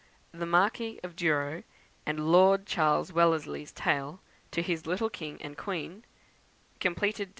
The Marquis of Douro and Lord Charles Wellesley's Tale to his little King and Queen; completed Dec.